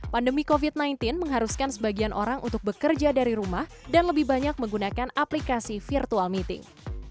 pandemi covid sembilan belas mengharuskan sebagian orang untuk bekerja dari rumah dan lebih banyak menggunakan aplikasi virtual meeting